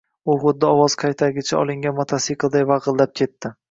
U xuddi ovoz qaytargichi olingan mototsiklday vagʼillab ketdi.